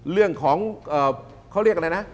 เรื่องของเขาเรียกอะไรนะ